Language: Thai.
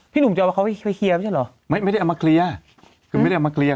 หนุ่มจะเอาเขาไปเคลียร์ไม่ใช่เหรอไม่ไม่ได้เอามาเคลียร์คือไม่ได้เอามาเคลียร์